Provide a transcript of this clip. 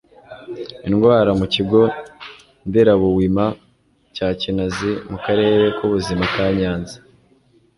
indwara mu kigo nderabuwima cya kinazi mu karere k'ubuzima ka nyanza